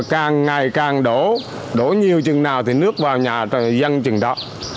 cài càng đổ đổ nhiều chừng nào thì nước vào nhà dân chừng đó